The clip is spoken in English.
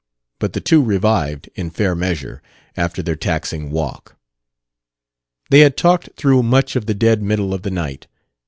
But the two revived, in fair measure, after their taxing walk. They had talked through much of the dead middle of the night.